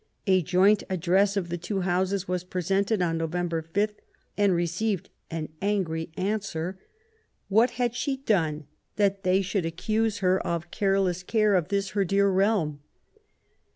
A joint address of the two Houses was presented on November 5, and received an angry answer ; what had she done that they should accuse her of " careless care of this her dear realm